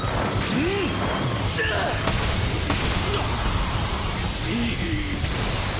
うっ！